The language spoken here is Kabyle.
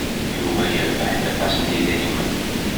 Yuba yerbeḥ-d aṭas n yidrimen.